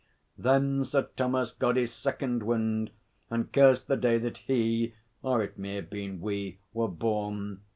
Then Sir Thomas got his second wind and cursed the day that he, or it may have been we, were born.